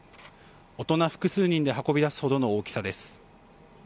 大人が複数人で運び出すほどの大きさです。